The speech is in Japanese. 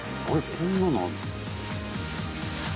こんなのあるの？」